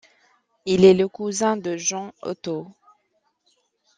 Il est le cousin de John Otto.